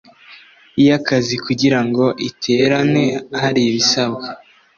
y akazi kugira ngo iterane haribisabwa